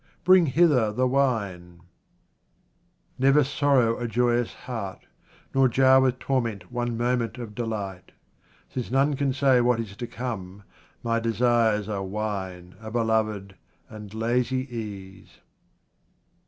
Bring hither the wine ! Never sorrow a joyous heart, nor jar with torment one moment of delight. Since none can say what is to come, my desires are wine, a beloved, and lazy ease.